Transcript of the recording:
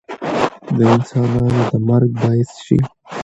د انسانانو د مرګ باعث شي